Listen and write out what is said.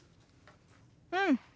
うん。